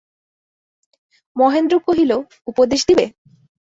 মহেন্দ্র কহিল, উপদেশ দিবে?